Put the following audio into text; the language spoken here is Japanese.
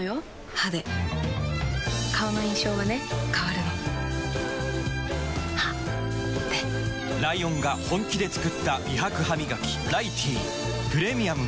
歯で顔の印象はね変わるの歯でライオンが本気で作った美白ハミガキ「ライティー」プレミアムも